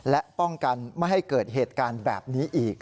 และป้องกันไม่ให้เกิดเหตุการณ์แบบนี้อีก